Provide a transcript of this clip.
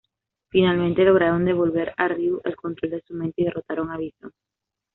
Finalmente lograron devolver a Ryu el control de su mente y derrotaron a Bison.